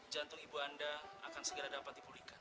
jantung ibu anda akan segera dapat dipulihkan